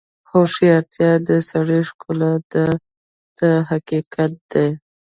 هوښیارتیا د سړي ښکلا ده دا حقیقت دی.